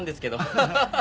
ハハハハ。